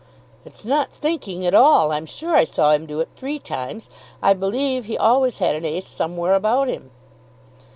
"It's not thinking at all. I'm sure I saw him do it three times. I believe he always had an ace somewhere about him."